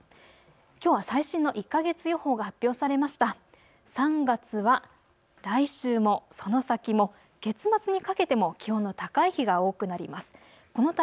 きょうは最新の１か月予報が発表されました。